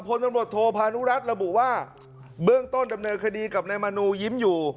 พลตำรวจโทพานุรัติระบุว่าเบื้องต้นดำเนินคดีกับนายมนูยิ้มอยู่